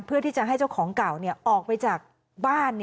เพื่อที่จะให้เจ้าของเก่าออกไปจากบ้าน